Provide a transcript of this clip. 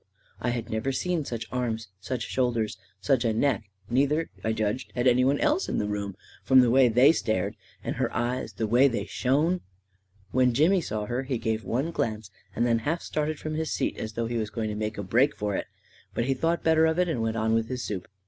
I had never seen such arms, such shoulders, such a neck — neither, I judged, had anybody else in the room, from the way they stared — and her eyes — the way they shone ... When Jimmy saw her, he gave one glance and then half started from his seat as though he was going to make a break for it ; but he thought better of it and went on with his soup.